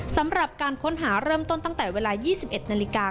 สำหรับการค้นหาเริ่มต้นตั้งแต่เวลา๒๑นาฬิกา